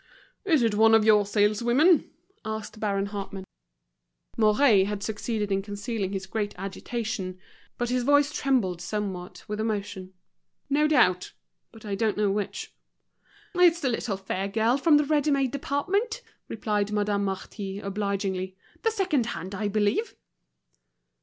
"Is it one of your saleswomen?" asked Baron Hartmann. Mouret had succeeded in concealing his great agitation; but his voice trembled somewhat with emotion: "No doubt; but I don't know which." "It's the little fair girl from the ready made department," replied Madame Marty, obligingly, "the second hand, I believe."